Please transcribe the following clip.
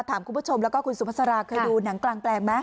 คุณผู้ชมแล้วก็คุณสุภาษาเคยดูหนังกลางแปลงไหม